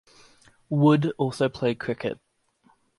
Wood also played cricket.